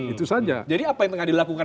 itu saja jadi apa yang tengah dilakukan